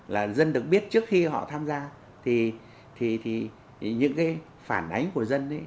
là dân được biết trước khi họ tham gia thì những cái phản ánh của dân nó đầy đủ hơn